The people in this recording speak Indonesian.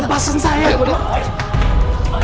masih diam kamu